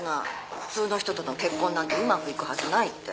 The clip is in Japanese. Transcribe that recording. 普通の人との結婚なんてうまくいくはずないって。